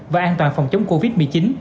và an toàn phòng chống covid một mươi chín